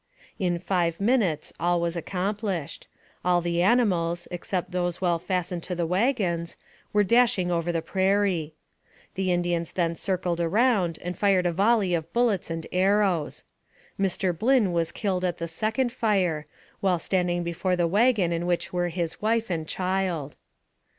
In five minutes all was accomplished; all the ani mals, except those well fastened to the wagons, were dashing over the prairie. The Indians then circled around and fired a volley of bullets and arrows. Mr. Blynn was killed at the second fire, while standing before the wagon in which were his wife and child.